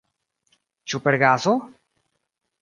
Ĉu per gaso?